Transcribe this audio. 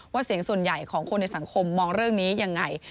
เสียงส่วนใหญ่ของคนในสังคมมองเรื่องนี้ยังไง